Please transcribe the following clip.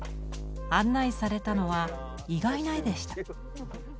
案内されたのは意外な絵でした。